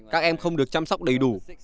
các em không được chăm sóc đầy đủ